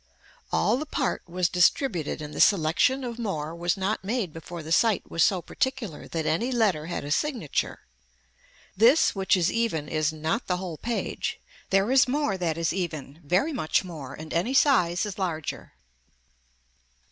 All the part was distributed and the selection of more was not made before the sight was so particular that any letter had a signature. This which is even is not the whole page, there is more that is even, very much more and any size is larger.